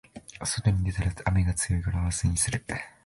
外に出たら雨が強いから明日にする